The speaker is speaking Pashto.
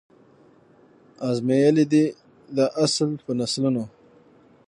آزمیېلی دی دا اصل په نسلونو